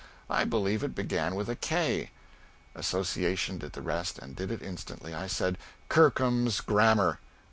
I believe it began with K." Association did the rest, and did it instantly. I said, "Kirkham's Grammar!"